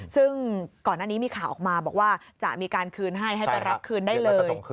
ซึ่งก่อนหน้านี้มีข่าวออกมาบอกว่าจะมีการคืนให้ให้ไปรับคืนได้เลย